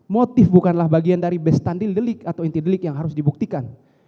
motif bukanlah bagian dari bestandil delik atau inti delik yang harus dibuktikan